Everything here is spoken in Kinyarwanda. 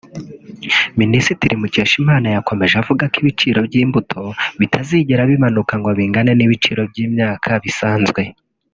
Minisitiri Mukeshimana yakomeje avuga ko ibiciro by’imbuto bitazigera bimanuka ngo bingane n’ibiciro by’imyaka bisanzwe